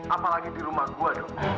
apalagi di rumah gue